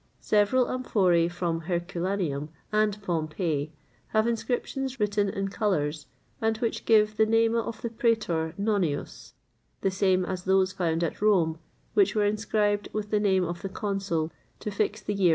Several amphoræ from Herculaneum and Pompeii have inscriptions written in colours, and which give the name of the Prætor Nonnius; the same as those found at Rome, which were inscribed with the name of the consul, to fix the year of the vintage.